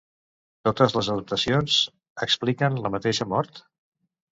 Totes les adaptacions expliquen la mateixa mort?